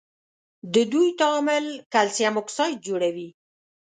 د دوی تعامل کلسیم اکساید جوړوي.